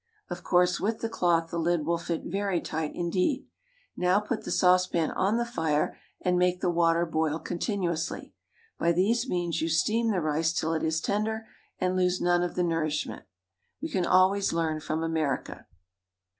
Of course, with the cloth the lid will fit very tight indeed. Now put the saucepan on the fire and make the water boil continuously. By these means you steam the rice till it is tender and lose none of the nourishment. We can always learn from America.